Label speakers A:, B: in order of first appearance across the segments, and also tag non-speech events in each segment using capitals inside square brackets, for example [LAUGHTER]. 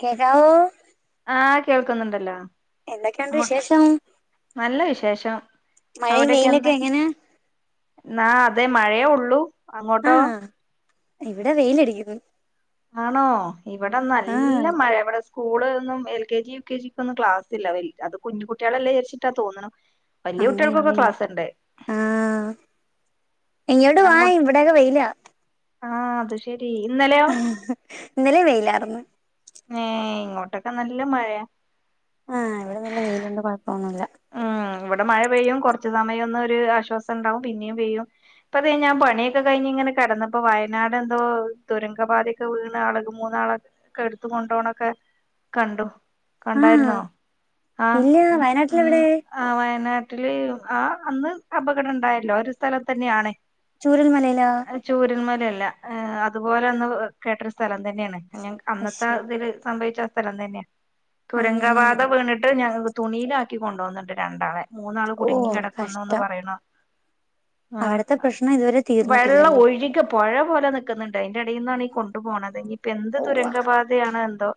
A: കേക്കാവോ?
B: ആഹ് കേൾക്കുന്നുണ്ടല്ലോ
A: എന്തൊക്കെയുണ്ട്
B: അങ്ങോ
A: വിശേഷം
B: നല്ല വിശേഷം
A: മഴയും
B: അവിടെയൊക്കെ
A: വെയിലൊക്കെ
B: എന്താ
A: എങ്ങനാ
B: ന്നാ അതെ മഴേ ഒള്ളൂ അങ്ങോട്ടോ?
A: ആഹ് ഇവിടെ വെയ്ലടിയ്ക്കുന്നു
B: ആണോ ഇവടെ നല്ല
A: ആഹ്
B: മഴെ വെടെ സ് സ്കൂള്ലൊന്നും L K G U K G ക്കാെന്നും ക്ലാസ് ഇല്ല വൽ അത് കുഞ്ഞുകുട്ട്യേളെല്ലേചാര്ച്ചിട്ടാ തോന്ന്ണു വല്ല്യ കുട്ടികൾക്കൊക്കെ
A: അങ്ങനെയല്ലേ
B: ക്ലാസ്ണ്ട്
A: ആഹ് ഇങ്ങോട്ട് വാ
B: അങ്ങോട്ട്
A: ഇവിടെയൊക്കെ വെയ്ലാ
B: ആഹ് അത് ശെരി ഇന്നെലെയോ?
A: ഇന്നെലേം വെയ്ലാർന്ന്
B: ഏഹ് ഇങ്ങോട്ടൊക്കെ നല്ല മഴയാ
A: ആഹ് ഇവിടെ നല്ല വെയിലുണ്ട് കാെഴപ്പം ഒന്നുംല്ലാ
B: ഉം ഇവട മഴ പെയ്യും കൊറച്ച്സമയം ഒന്ന് ഒര് ആശ്വാസം ഇണ്ടാവും പിന്നിം പെയ്യും ഇപ്പതേ ഞാ പണിയൊക്കെ കഴിഞ്ഞ് ഇങ്ങന കെടന്നപ്പോ വയനാട് എന്തോ ദുരങ്കപാതൊക്കെ വീണ് ആള്ക മൂന്നാള ക്ക ഇട്ത്ത് കൊണ്ടോണൊക്കെ കണ്ടു കണ്ടാര്ന്നോ ആഹ് ഉം
A: എവിടെ
B: ആഹ് വയനാട്ടില് ആ അന്ന് അപകടം ഇണ്ടായല്ലോ ഒരു സ്ഥലം തന്നെയാണ്
A: ചൂരൽ മലേലോ
B: ചൂരൽ മലയല്ല അത്പോലെ അന്ന് കേട്ടൊരു സ്ഥലം തന്നെണ് [UNINTELLIGIBLE] അന്നത്തെ
A: അശ്ശോ
B: ആ ഇതില് സംഭവിച്ച സ്ഥലം തന്നെ
A: ആണല്ലേ
B: തുരങ്കപാത വിണ് ട്ട് ഞ തുണീലാക്കി കൊണ്ടൊവ്ന്ന്ണ്ട് രണ്ടാളെ മൂന്നാള് കുട്ങ്ങി
A: ഓഹ്
B: കെടക്കുന്നൂന്ന്
A: കഷ്ടം
B: പറയ്ണ്
A: അവിടത്തെ
B: ആഹ്
A: പ്രശ്നം ഇതുവരെ
B: വെള്ളം
A: തീർന്നിട്ടില്ലല്ലേ
B: ഒഴ്കം പൊഴ പോലെ നിക്ക്ന്ന്ണ്ട് അതിന്റെ എടേണാണ് ഈ കൊണ്ടു പോണത് ഇഞ്ഞിപ്പ എന്ത്
A: ഉവ്വാ
B: ദുരങ്കപാത യാണ് എന്തോ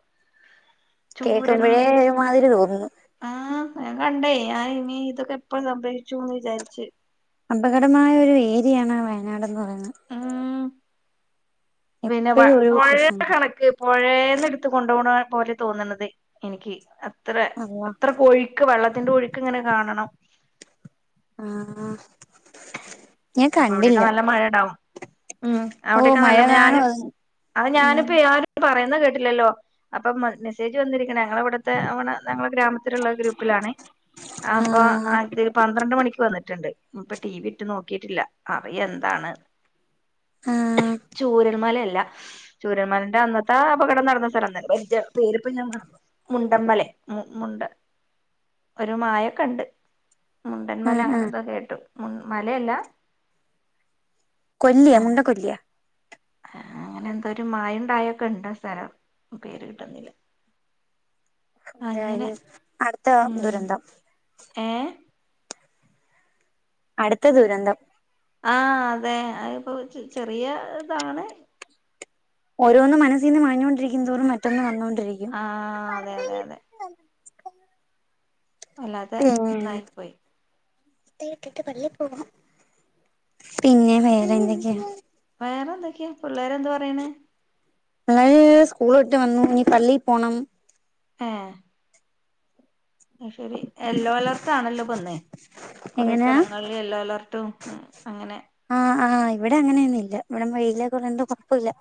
B: ചൂരലും
A: കേക്കുമ്പഴേ ഒരു മാതിരി തോന്നുന്നു
B: ആഹ് ഞാൻ കണ്ടേ ഞാൻ ഇനി ഇതൊക്കെ എപ്പ സംഭവിച്ചൂന്ന് വിചാരിച്ച്
A: അപകടമായ ഒരു ഏരിയാണ് വയനാട്ന്ന് പറയുന്ന്
B: ഉം പിന്നെ വ
A: എപ്പഴും ഓരോ
B: മഴേ
A: പ്രശ്നങ്ങളാ
B: കണക്ക് പൊഴേന്ന് ഇട്ത്ത് കൊണ്ടുപോണ പോലെ തോന്ന്ണത് എനിക്ക് അത്ര
A: അള്ളാ
B: അത്രക്ക് ഒഴ് ക്ക് വള്ളത്തിന്റെ ഒഴുക്ക് ഇങ്ങെനെ കാണണം
A: ആഹ് ഞാൻ
B: അപ്പ അവടെക്കെ
A: കണ്ടില്ല
B: നല്ല മഴ ഇണ്ടാവും ഉം
A: ഓ
B: അവിടെക്കെ
A: മഴ
B: നല്ല ഞാൻ
A: കാണോ അത്
B: അത് ഞാന്
A: ഉം
B: പ്പെ ആര് പറയുന്ന കേട്ടില്ലല്ലോ അപ്പൊ മ മെസേജ് വന്നിരിക്ക്ണ ഞങ്ങള ഇവ്ട്ത്തെ അവട ഞങ്ങളെ ഗ്രാമത്തില്ള്ള ഗ്രൂപ്പിലാണ് ആപ്പോ
A: ആഹ്
B: അതി പന്ത്രണ്ട് മണിക്ക് വന്ന്ട്ട്ണ്ട് ഇപ്പ ടി വി ഇട്ട് നോക്കിട്ടില്ല അറിയ എന്താണ്
A: ആഹ്
B: ചൂരൽ മലല്ല ചൂരൽ മലന്റെ അന്നത്തെ ആ അപകടം നടന്ന സ്ഥലം തന്നേ പേരിപ്പ ഞാ മറന്നു മുണ്ടമ്മലെ മു മുണ്ട ഒരു മായൊക്ക ണ്ട് മുണ്ടൻമല
A: ആഹ് ആഹ്
B: അങ്ങനെന്തോ കേട്ടും മു മലയല്ലാ
A: കൊല്ല്യ മുണ്ട കൊല്ല്യ
B: ആഹ് അങ്ങനെന്തോ ഒരു മായും ണ്ടായൊക്കെണ്ട് ആസ്ഥലം പേര് കിട്ടുന്നില്ല അങ്ങനെ
A: എന്തായിനു അട്ത്താ
B: ഉം
A: ദുരന്തം
B: ഏഹ്
A: അട്ത്ത ദുരന്തം
B: ആഹ് അതെ അഅ് ഇപ്പോ ചെ ചെറിയതാണ്
A: ഓരോന്ന് മനസ്സീന്ന് മാഞ്ഞോണ്ടിരിക്കുന്തോറും മറ്റൊന്ന് വന്നോണ്ടിരി
B: ആഹ് അതെ അതെ അതെ വല്ലാതെ
A: ഏങ്ങനെ
B: ഇതായി പോയി
A: [UNINTELLIGIBLE] ഇട്ട്ട്ട് പള്ളി പോവണം പിന്നെ വേറ എന്തക്കെ
B: വേറ എന്തൊക്കെ പിള്ളേര് എന്ത് പറിണ്
A: പിള്ളേര് സ്കൂള് വിട്ട് വന്ന് ഇനി പള്ളീപോണം
B: ഏഹ് അത് ശെരി യെല്ലോ അലർട്ടാണല്ലോ ഇപ്പന്ന് കൊറേ
A: എങ്ങനാ
B: സ്ഥലങ്ങളില് യെല്ലോ അലർട്ടും അങ്ങനെ
A: ആഹ് ആഹ് ഇവിടെ അങ്ങനെയൊന്നും ഇല്ല ഇവിടെ വെയിലൊക്കെ ഉള്ളോണ്ട് കൊഴപ്പുല്ല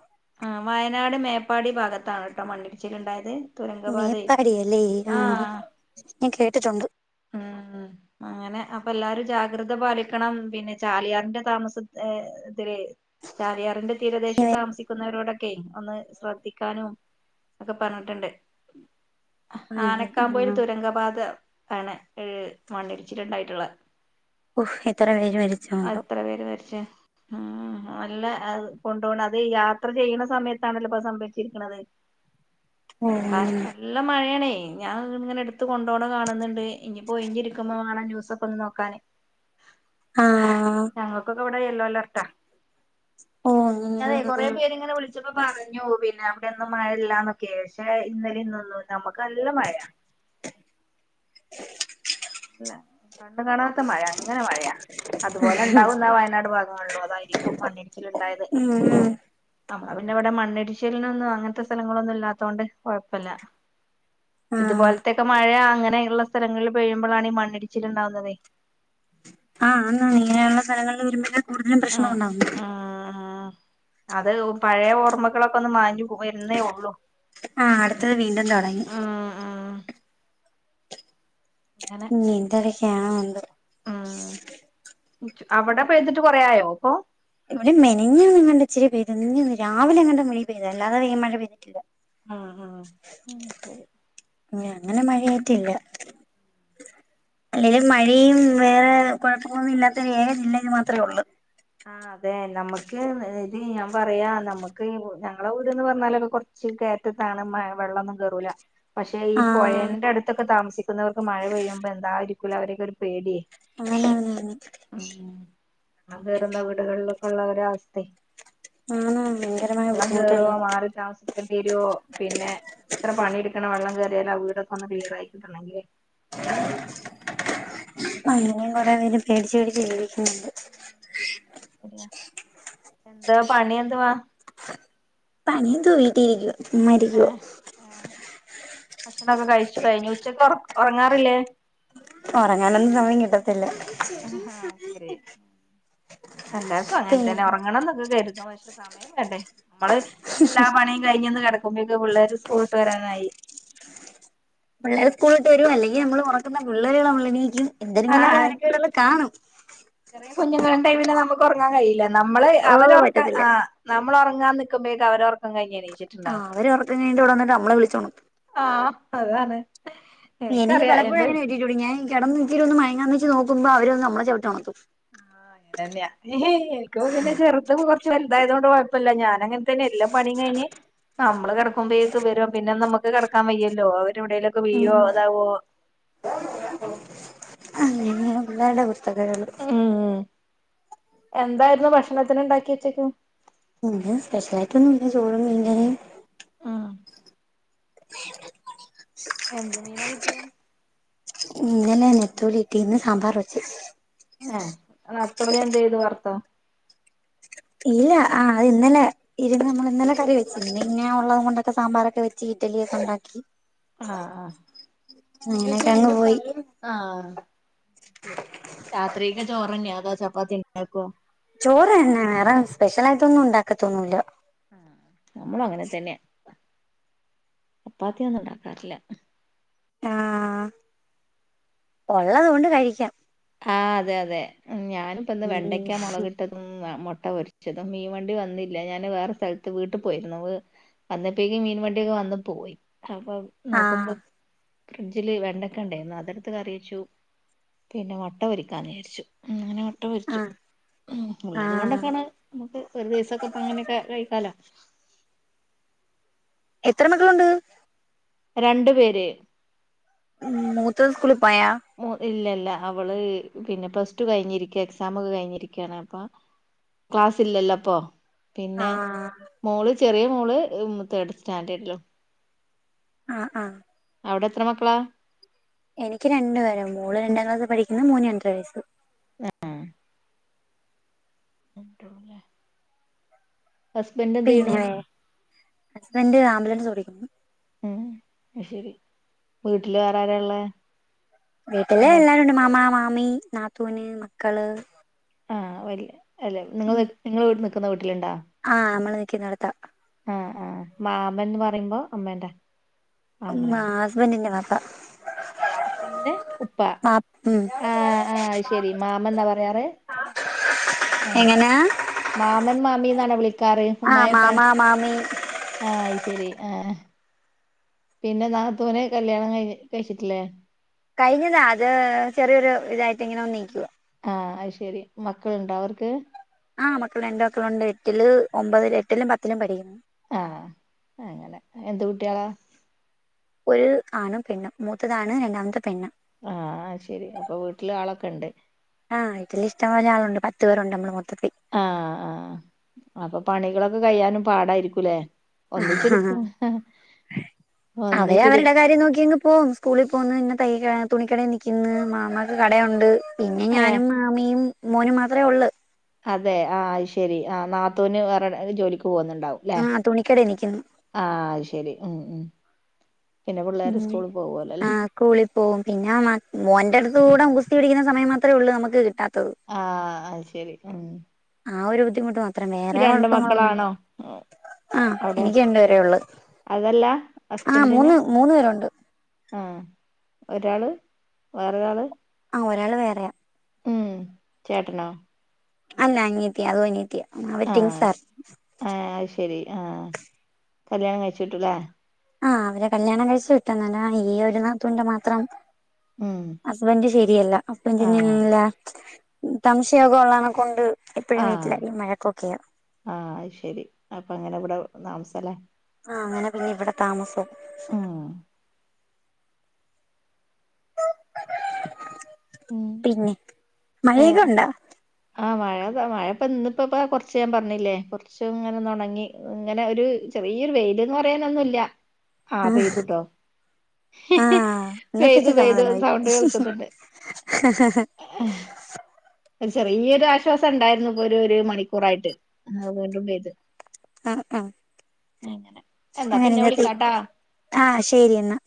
B: ആഹ് വയനാട് മേപ്പാടി ഭാഗത്താണ് ട്ടോ മണ്ണിടിച്ചൽ ഇണ്ടായത്
A: മേപ്പാടി അല്ലേ ആഹ് ഞാ കേട്ടിട്ടുണ്ട്
B: ഉം അങ്ങനെ അപ്പ എല്ലാരും ജാഗ്രത പാലിക്കണം പിന്നെ ചാലിയാറിന്റെ താമസ ഏഹ് എന്ത്ച്ചാല് ചാലിയാറിന്റെ തീരദേശം താമസിക്കുന്നവരോടൊ ക്കെയ് ഒന്ന് ശ്രദ്ധിക്കാനും ഒക്കെ പറഞ്ഞിട്ട്ണ്ട്
A: ആണല്ലേ
B: ആനക്കാമ്പൊയിൽ
A: ആഹ്
B: തുരങ്കപാത ആണ് ഈ മണ്ണിടിച്ചില്ണ്ടായിട്ട്ള്ള
A: ഉഹ് എത്ര പേര് മരിച്ചോ എന്തോ
B: എത്ര പേര് മരിച്ച് ഉം ഓല്ലെ അത് കൊണ്ടോണ അതെയ് യാത്ര ചെയ്യ്ണ സമയത്താണല്ലോ പ്പൊ അത് സംഭവിച്ചിരിക്ക്ണത്
A: ഓ അങ്ങനെ
B: കാര്ണം നല്ല മഴാണെയ് ഞാൻ ഇങ്ങനെ ഇട്ത്ത് കൊണ്ടോണെഹ് കാണ്ന്ന് ണ്ട് ഇഞ് പ്പൊ ഒയിഞ്ഞിരിക്കുമ്പം മാണം ന്യൂസൊക്കെ ഒന്ന് നോക്കാന്
A: ആഹ്
B: ഞങ്ങക്കൊക്കെ ഇവടെ യെല്ലോ അലർട്ടാ
A: ഓ അങ്ങനെ
B: ഞാനെയ് കൊറേ പേര് ഇങ്ങനെ വിൾ ച്ചപ്പൊ പറഞ്ഞു പിന്നെ അവ്ടെ ഒന്നും മഴല്ലാന്നൊക്കെയ് പക്ഷെ ഇന്നലെ ഇന്നൊന്നും നമ്മുക്ക് നല്ല മഴയാ
A: [INAUDIBLE]
B: നല്ല കണ്ണ് കാണാത്ത മഴ അങ്ങനെ മഴയാ അത്പോലെ ഇണ്ടാവും ന്നാ വയനാട് ഭാഗങ്ങളിലും അതായിരിക്കും മണ്ണിടിച്ചിൽ ഇണ്ടായത്
A: ഉം ഉം
B: നമ്മളെ പിന്നെ ഇവടെ മണ്ണിടിച്ചിലിനൊന്നും അങ്ങൻത്തെ സ്ഥലങ്ങളൊന്നും ഇല്ലാത്തോണ്ട് കൊഴപ്പല്ല
A: ആഹ്
B: ഇതുപോലത്തൊക്കെ മഴ അങ്ങനെയ്ള്ള സ്ഥലങ്ങൾള് പെയ്യുമ്പഴാണ് ഈ മണ്ണിടിച്ചിൽ ഇണ്ടാവുന്നതേ
A: ആഹ് ആന്ന് അങ്ങനെയുള്ള സ്ഥലങ്ങൾള് ഒരു വിധം കൂടുതലും പ്രശ്നം ഉണ്ടാവുന്നേ
B: ആഹ് അതായത് പഴേ ഓർമ്മകളൊക്കെ ഒന്ന് മാഞ്ഞു പോയി വരുന്നേ ഒള്ളു
A: ആഹ് അടുത്തത് വീണ്ടും തൊടങ്ങി
B: ഉം ഉം ഇങ്ങനെ
A: ഇനി എന്തെരെക്കെ ആണോ എന്തോ
B: ആഹ് അവടെ പെയ്തിട്ട് കൊറേ ആയോ ഇപ്പൊ
A: ഇവടിം മെനഞ്ഞാന്ന് എങ്ങാണ്ടോ ഇച്ചിരി പെയ്തു മിനിഞ്ഞാന്ന് രാവിലെ എങ്ങാട്ട് മഴയ് പെയ്തതാ അല്ലാതെ മഴ പെയ്തിട്ടില്ല
B: ആഹ് ആഹ്
A: ഇഞ്ഞ് അങ്ങനെ മഴയാറ്റില്ല അല്ലെങ്കിലും മഴയും വേറെ കൊഴപ്പങ്ങളൊന്നും ഇല്ലാത്ത ഏക ജില്ല ഇതു മാത്രേ ഒള്ള്
B: ആഹ് അതെ നമ്മുക്ക് ഇത് ഞാൻ പറയാ നമുക്ക് ഞങ്ങടെ വീട്ന്ന് പറഞ്ഞാലൊക്കെ കൊറ ച്ച് കേറ്റത്താണ് മഴവെള്ളൊന്നും കേറൂല്ല പക്ഷെ ഈ
A: ആഹ്
B: പൊഴന്റെ അട്ത്തൊക്കെ താമസിക്കുന്നവർക്ക് മഴ പെയ്യുമ്പോ എന്താരി ക്കുലെ അവരെയൊക്കെ ഒരു പേടിയെയ്
A: ആണ് ആണ് ആണ്
B: ആണ് വെര്ന്ന വീടുകളിലൊക്ക ഉള്ള ഒര് അവസ്ഥേയ്
A: ആണ് ഭയങ്കരമായ
B: വെള്ളം കേറോ
A: ബുദ്ധിമുട്ടുള്ള
B: മാറി താമസി ക്കെണ്ടിയെരോ പിന്നെ എത്ര പണി ഇട്ക്കണം വെള്ളം കേറിയാല് ആ വീടൊക്കെ ഒന്ന് ക്ലിയർ ആയിക്കിട്ടണെങ്കില്
A: അങ്ങനെയും കൊറേ പേര് പേടിച്ച് പേടിച്ച് ജീവിക്കുന്നുണ്ട്
B: ശെരിയാ എന്താ പണി എന്തുവാ
A: പണിയെന്തുവാ വീട്ടി ഇരിക്കുവാ ചുമ്മാ ഇരിക്കുവാ
B: ഏഹ് ആഹ് ഭക്ഷണൊക്കെ കഴിച്ചു കഴിഞ്ഞു ഉച്ചക്ക്ഒറക് ഒറങ്ങാറില്ലേ
A: ഒറങ്ങാനൊന്നും സമയം കിട്ടത്തില്ല
B: ആഹ് ഹാ അയ്ശരി എല്ലാർക്കും
A: പിന്നെ
B: അങ്ങൻത്തെന്നെ ഒറങ്ങണംന്നൊക്കെ കെര്തും പക്ഷേ ക്ഷേ സമയം വേണ്ടേ നമ്മള് എല്ലാ പണിയും കഴിഞ്ഞൊന്ന് കെടക്കുമ്പഴേക്കും പിള്ളേര് സ്കൂൾട്ട് വെരാനായി
A: പിള്ളേര് സ്കൂൾ വിട്ട് വെരേ അല്ലെങ്കി നമ്മള് ഉറക്കുന്ന പിള്ളേരുകള് തമ്മില് എണീക്കും
B: ആ
A: എന്തെരിങ്കിലൊക്കെ മെനക്കേടുകള് കാണും
B: ചെറിയ കുഞ്ഞുങ്ങളുണ്ടെങ്കി പിന്നെ നമുക്കൊറങ്ങാൻ കഴയില്ല നമ്മള്
A: ഓഹ്
B: അവരൊറക്ക
A: പറ്റത്തില്ല
B: ആഹ് നമ്മളൊറങ്ങാൻ നിക്കുമ്പയേക്കും അവരൊറക്കം കഴിഞ് എണീച്ച്
A: ആ അവരൊറക്കം കഴിഞ്ഞിട്ട് ഇവടെ വന്ന്ട്ട് നമ്മളെ വിളിച്ചൊണർത്തും
B: ആഹ് അതാണ്
A: എനിക്ക്
B: എനിക്കറിയാം
A: പലപ്പോഴും
B: എന്റെ
A: അങ്ങനെ കിട്ടിയിട്ടുണ്ട് ഞാൻ കെടന്നിച്ചിരിയൊന്ന് മയങ്ങാന്നു വെച്ച് നോക്കുമ്പോ അവര് വന്ന് നമ്മളെ ചവിട്ടിയൊണർത്തും [INAUDIBLE]
B: അതന്ന്യ എനിക്ക്പ്പൊ പിന്നെ ചെറുത്പ്പൊ കൊറച്ച് വലുതായത്കൊണ്ട് കൊഴപ്പല്ല ഞാനങ്ങനത്തന്നെ എല്ലും പണീം കഴിഞ്ഞ് നമ്മള് കെടക്കുമ്പയേക്കും വരും പിന്നെ നമുക്ക് കെടക്കാൻ വയ്യല്ലോ? അവരെവ്ടേ ലൊക്കെ വീയോ, ഇതാവോ
A: അങ്ങനെ ഒരുപാട് അവസ്ഥകള്
B: ഉം എന്തായിരുന്നു ഭക്ഷണത്തിന്ണ്ടാക്കിയെ ഉച്ചക്ക്?
A: ഇന്ന് സ്പെഷ്യലായിയിട്ടൊന്നുംല്ല ചോറും, മീൻകറിയും
B: എന്ത് മീനാ കിട്ടിയെ?
A: ഇന്നലെ നെത്തോലി കിട്ടി ഇന്ന് സാമ്പാർ വെച്ച്
B: ഏഹ് ആ നത്തോലിയെന്ത് ചെയ്ത് വറ്ത്തോ?
A: ഇല്ല ആ അത് ഇന്നലെ ഇരുന്നമ്മള് ഇന്നലെ കറി വെച്ചിരുന്നു പിന്നെയുള്ളത് കൊണ്ടൊക്കെ സാമ്പാറൊക്കെ വെച്ച് ഇഡ്ഡലിയൊക്കെ ഉണ്ടാക്കി
B: ആഹ് ആ
A: ഉം അങ്ങനെയൊക്കെയങ്ങ് പോയി
B: ആഹ് അഹ്ശരി രാത്രിയെക്ക് ചോറന്യ അതോ ചപ്പാത്തിണ്ടാക്കോ?
A: ചോറ് തന്നെ വേറെ സ്പെഷ്യലായിട്ടൊന്നും ഉണ്ടാക്കത്തൊന്നൂല്ല
B: നമ്മളും അങ്ങനെ തന്നെ ചപ്പാത്തിയൊന്നും ഉണ്ടാക്കാറില്ല
A: ആഹ് ഒള്ളത് കൊണ്ട് കഴിക്കാം
B: ആഹ് അതെ അതെ ഞാനിപ്പയിന്ന് വെണ്ടയ്ക്കാ മൊളകിട്ടത് ഉം മൊട്ട പൊരിച്ചതും, മീൻ വണ്ടി വന്നില്ല ഞാന് വേറെ സ്ഥലത്ത് വീട്ടി പോയിരുന്നു വന്നപ്പേയ്ക്കും മീൻ വണ്ടിയൊക്കെ വന്ന് പോയി അപ്പൊ
A: ആ
B: നോക്കുമ്പം ഫ്രിഡ്ജില് വെണ്ടയ്ക്കണ്ടായിന്നു അതെടുത്ത് കറിവെച്ചു പിന്നെ മൊട്ട പൊരിക്കാന്ന് വിചാരിച്ചു ഉം അങ്ങനെ മൊട്ട
A: ആ
B: പൊരിച്ചു ഉം
A: ആ
B: ഉള്ളത് കൊണ്ടക്കാണ് നമുക്ക് ഒരു ദിവസൊക്കെ ഇപ്പൊ അങ്ങനെയൊക്കെ കഴിക്കാലോ
A: എത്ര മക്കളുണ്ട്?
B: രണ്ടു പേര്
A: ഉം മൂത്തത് സ്കൂളി പോയാ?
B: മൂ ഇല്ലല്ല അവള് പിന്നെ പ്ലസ് ടു കഴിഞ്ഞിരിക്ക എക്സാമൊകെ കഴിഞ്ഞിരിക്ക്യാണ് അപ്പൊ ക്ലാസ്സില്ലല്ലോ? അപ്പൊ
A: ആ
B: പിന്നെ മോള് ചെറിയ മോള് തേഡ് സ്റ്റാൻഡേഡ്ലും
A: ആഹ് ആഹ്
B: അവ്ടെത്ര മക്കളാ?
A: എനിക്ക് രണ്ടു പേര് മോള് രണ്ടാം ക്ലാസ്സി പഠിക്കുന്നു മോന് രണ്ടര വയസ്സ്.
B: ആഹ് രണ്ട് കുട്ടികള് ല്ലേ?
A: പിന്നെ ഹസ്ബൻഡ് ആംബുലൻസോടിക്കുന്നു.
B: ഉം അഹ്ശരി വീട്ടില് വേറാരാള്ളേ?
A: വീട്ടിലെല്ലാരുണ്ട് മാമാ, മാമി, നാത്തൂന്, മക്കള്
B: ആഹ് വല്യ അല്ലെ
A: ഉം
B: നിങ്ങള് നിങ്ങള് നിക്കുന്ന വീട്ടില്ണ്ടോ?
A: ആഹ് നമ്മള് നിക്കുന്നെട്ത്താ.
B: ആ ആ മാമനെന്നു പറയുമ്പോ അമ്മേന്റെ
A: ഉം
B: ആങ്ങളെയോ
A: ഹസ്ബന്റിന്റെ വാപ്പ
B: എന്റെ ഉപ്പ
A: വാ ഉം
B: ആ ആ അത് ശെരി മാമൻന്നാ പറയാറ്
A: ആഹ
B: ഉം മാമൻ മാമീന്നാണ് വിളിക്കാറ്
A: ആഹ്
B: ഉമ്മായേം ഉപ്പായേം
A: മാമാ മാമി
B: ആ അത് ശരി ആ പിന്നെ നാത്തൂന് കല്യാണം കഴിഞ്ഞി കഴിച്ചട്ടില്ലേ
A: കഴിഞ്ഞതാ അത് ചെറിയൊരു ഇതായിട്ട് ഇങ്ങനെ വന്ന് നിക്കുവാ
B: ആ അത് ശെരി മക്കളുണ്ടോ അവർക്ക്
A: ആ മക്കളുണ്ട് മക്കളുണ്ട് എട്ടില് ഒമ്പത് എട്ടിലും പത്തിലും പഠിക്കുന്നു
B: ആ അങ്ങനെ എന്ത് കുട്ടിളാ
A: ഒരു ആണ്ണും പെണ്ണും മൂത്തതാണ് രണ്ടാമത്തെ പെണ്ണ്
B: ആ അത് ശെരി അപ്പൊ വീട്ടില് ആളൊക്കിണ്ട്
A: ആ വീട്ടില് ഇഷ്ടംപോലെ ആളുണ്ട് പത്ത് പേരുണ്ട് നമ്മള് മൊത്തത്തി
B: ആ ആഹ് അപ്പൊ പണികളൊക്കെ കഴിയാനും പാടായിരിക്കൂലേ ഒന്നിച്ചെടുക്കും
A: അവര് അവരുടെ
B: ഒന്നിച്ചെടുക്കും
A: കാര്യം നോക്കിന്ന് ഓ സ്കൂളിൽ പോന്നു പിന്നെ തൈകുന്നു തുണിക്കടയിൽ നിൽക്കുന്നു മാമാക്ക് കടയുണ്ട് പിന്നെ
B: ഏഹ്
A: ഞാനും മാമിയും മോനും മാത്രയേ ഒള്ളൂ
B: അതെ ആ അത് ശരി ആ നാത്തൂന് വേറെ എവടെ ജോലിക്ക് പോകുന്നുണ്ടാവും
A: ആ തുണിക്കടെ നിക്കുന്നു.
B: ആ അത് ശരി ഉം ഉം പിന്നെ പിള്ളേര് സ്കൂളിൽ പോവോല്ലേ അല്ലേ
A: സ്കൂളിൽ പോകും പിന്നെ മോന്റെടുത്ത് കൂടെ ഗുസ്തി പിടിക്കുന്ന സമയം മാത്രമേ ഉള്ളൂ നമുക്ക് കിട്ടാത്തത്
B: ആ അത് ശെരി ഉം
A: ആ ഒരു ബുദ്ധിമുട്ട് മാത്രം
B: ഈ
A: വേറെ
B: രണ്ട്
A: കൊഴപ്പങ്ങളൊന്നുല്ല
B: മക്കളാണോ
A: ആ
B: അവിടെ
A: എനിക്ക് രണ്ടുപേരെ ഒള്ളു
B: അതല്ല
A: ആ മൂന്ന് മൂന്ന് പേരുണ്ട്
B: ആ ഒരാള് വേറൊരാള്
A: ആ ഒരാള് വേറെയാ
B: ഉം ചേട്ടനൊ
A: അല്ല അനിയത്തിയ അതും അനിയത്തിയ
B: അ ആ അത് ശരി ആ കല്യാണം കഴിച്ട്ടൂലെ
A: ആ അവരെ കല്യാണം കഴിച്ചു വിട്ടു അങ്ങനെ ഈ ഒരു നാത്തൂന്റെ മാത്രം
B: ഉം
A: ഹസ്ബൻഡ് ശരിയല്ല ഹസ്ബന്റ്
B: ആഹ്
A: [UNINTELLIGIBLE] സംശയൊക്കെ ഉള്ളകണക്കു ഉണ്ട് എപ്പഴും വീട്ടിലു വഴക്കൊക്കെയാ
B: ആ അത് ശരി അപ്പ അങ്ങനെ ഇവിടെ താമസല്ലേ
A: ആ അങ്ങനെ പിന്നെ ഇവിടെ താമസം
B: ഉം ഉം
A: പിന്നെ മഴയൊക്കുണ്ടാ
B: ആ മഴ മഴ ഇന്നുപും കുറച്ചു ഞാൻ പറഞ്ഞില്ലേ കുറച്ചു ഇങ്ങനെ ഒന്ന് ഒണങ്ങി ഇങ്ങനെ ഒരു ചെറിയൊരു വെയിലൊന്നു പറയുനൊന്നൂല്ല ആ പെയ്തുട്ടോ
A: ആഹ്
B: പെയ്ത്
A: ഇന്നത്തേക്ക്
B: പെയ്ത്
A: സമാധാനമായി.
B: സൗണ്ട് കേൾക്കുന്നുണ്ട്
A: [INAUDIBLE]
B: ചെറിയാ ഒര് ആശ്വാസം ഒണ്ടായിര്ന്നു ഇപ്പൊ ഒര് ഒര് മണിക്കൂറായിട്ട് ആഹ് വിണ്ടും പെയ്യ്തു
A: ആഹ് ആഹ്
B: അങ്ങനെ എന്നാ
A: അങ്ങനെ
B: പിന്നെ
A: ങ്ങനെ എത്തി
B: വിളിക്കാട്ടാ
A: ആഹ് ശെരി എന്നാ